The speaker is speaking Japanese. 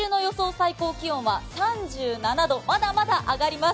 最高気温は３７度、まだまだ上がります。